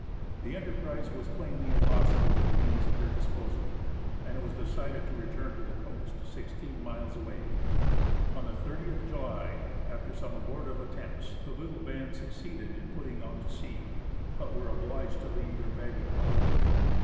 The enterprise was plainly impossible with the means at their disposal, and it was decided to return to the coast, sixteen miles away. On the 30th July, after some abortive attempts, the little band succeeded in putting out to sea, but were obliged to leave their baggage behind.